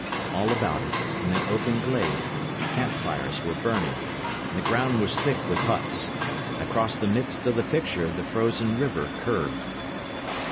All about it, in the open glade, camp fires were burning, and the ground was thick with huts; and across the midst of the picture the frozen river curved.